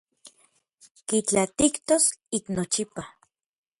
Kitlaatijtos ik nochipa.